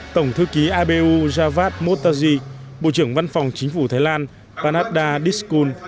tổng thư ký abu javad motaji bộ trưởng văn phòng chính phủ thái lan panadda diskun